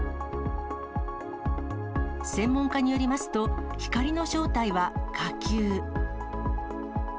専門家によりますと、光の正体は火球。